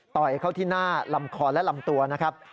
ต่อยเข้าที่หน้าลำคอและลำตัวนะครับ